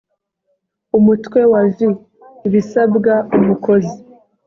umutwe wa vi: ibisabwa umukozi